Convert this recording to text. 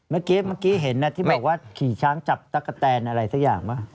เมื่อกี้เห็นนะที่บอกว่าขี่ช้างจับตะกะแตนอะไรสักอย่างปะ